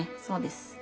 そうです。